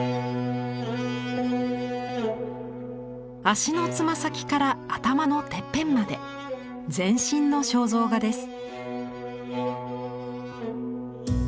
足の爪先から頭のてっぺんまで全身の肖像画です。